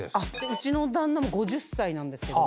うちの旦那も５０歳なんですけど。